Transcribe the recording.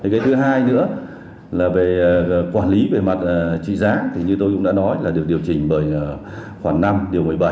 cái thứ hai nữa là về quản lý về mặt trị giá thì như tôi cũng đã nói là được điều chỉnh bởi khoảng năm điều một mươi bảy